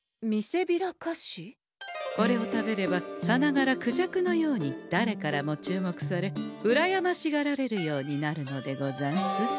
これを食べればさながらクジャクのようにだれからも注目されうらやましがられるようになるのでござんす。